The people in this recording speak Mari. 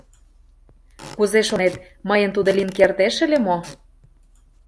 Кузе шонет, мыйын тудо лийын кертеш ыле мо?